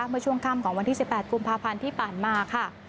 เมื่อช่วงค่ำของวันที่๑๘กุมภาพันธ์ที่ผ่านมาค่ะ